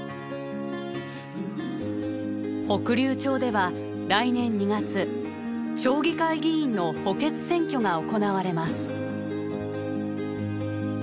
北竜町では来年２月町議会議員の補欠選挙が行われます。